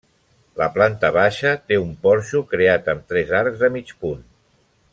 La planta baixa té un porxo creat amb tres arcs de mig punt.